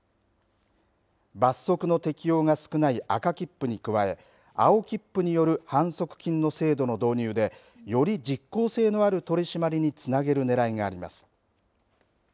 罰則の適用が少ない赤切符に加え青切符による反則金の制度の導入でより実効性のある取締りにつなげる狙いがあります。